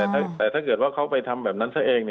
แต่ถ้าเกิดว่าเขาไปทำแบบนั้นซะเอง